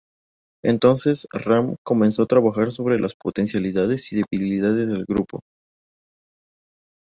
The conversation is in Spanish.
Entonces, Ram comenzó a trabajar sobre las potencialidades y debilidades del grupo.